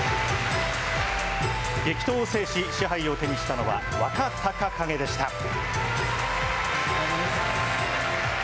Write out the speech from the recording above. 激闘を制し、賜杯を手にしたのは、若隆景でした。